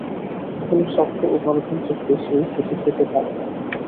কোনো সভ্য ও গণতান্ত্রিক দেশেই সেটি হতে পারে না।